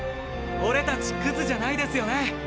オレたちクズじゃないですよね。